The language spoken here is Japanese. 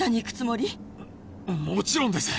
もちろんです。